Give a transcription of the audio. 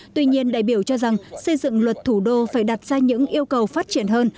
tuy nhiên đại biểu cho rằng xây dựng luật thủ đô phải đặt ra những yêu cầu phát triển hơn